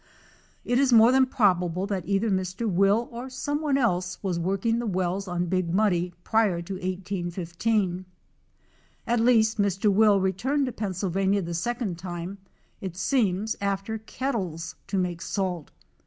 It is more than probable that either Mr. Will or someone else was working the wells on Big Muddy prior to 1815. At least Mr. Will returned to Pennsylvania the second time, it seems after kettles to make salt.